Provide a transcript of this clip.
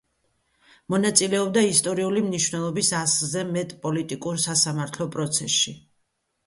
მონაწილეობდა ისტორიული მნიშვნელობის ასზე მეტ პოლიტიკურ სასამართლო პროცესში.